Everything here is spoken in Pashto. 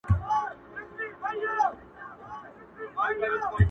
د دې ميني ادایته; د انسان تر وس وتلې